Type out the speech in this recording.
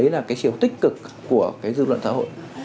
đấy là cái chiều tích cực của cái dư luận xã hội